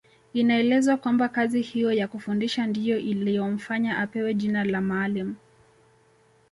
Inaelezwa kwamba kazi hiyo ya kufundisha ndiyo iliyomfanya apewe jina la Maalim